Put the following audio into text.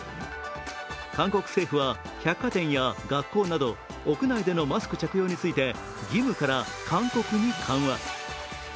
韓国政府は百貨店や学校など屋内のマスク着用について義務から勧告に緩和。